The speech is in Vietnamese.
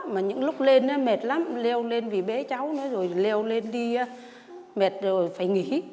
mà những lúc lên nó mệt lắm leo lên vì bế cháu nó rồi leo lên đi mệt rồi phải nghỉ